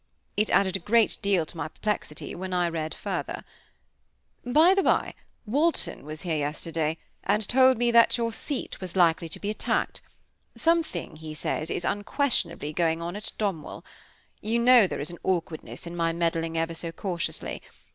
It added a great deal to my perplexity, when I read, further: By the bye, Walton was here yesterday, and told me that your seat was likely to be attacked; something, he says, is unquestionably going on at Domwell. You know there is an awkwardness in my meddling ever so cautiously.